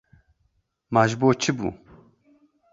Ma ji bo çi bû?